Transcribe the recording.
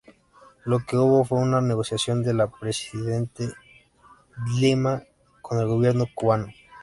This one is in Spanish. Lo que hubo fue una negociación de la presidente Dilma con el gobierno cubano".